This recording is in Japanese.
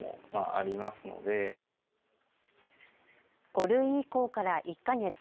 ５類移行から１か月。